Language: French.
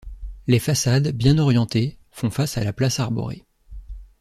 Les façades, bien orientées, font face à la place arborée.